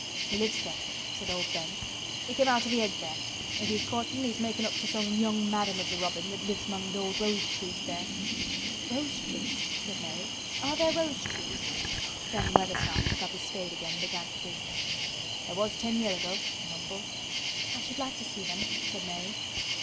"He lives there," said old Ben. "He came out o' th' egg there. If he's courtin', he's makin' up to some young madam of a robin that lives among th' old rose trees there." "Rose trees," said Mary. "Are there rose trees?" Ben Weatherstaff took up his spade again and began to dig. "There was ten year' ago," he mumbled. "I should like to see them," said Mary.